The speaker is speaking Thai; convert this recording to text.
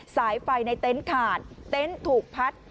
สายไฟในเต็นต์ขาดเต็นต์ถูกพัด